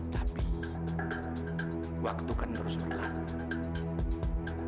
tapi waktu kan terus berlangsung